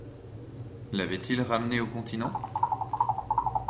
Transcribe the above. L’avait-il ramenée au continent?